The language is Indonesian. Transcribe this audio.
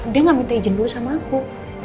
dia gak minta izin dulu sama aku